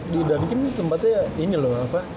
di dunkin tempatnya ini loh apa